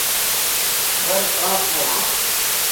زر کاں پو ھاں